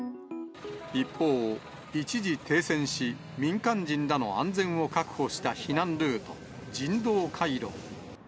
一方、一時停戦し、民間人らの安全を確保した避難ルート、人道回廊。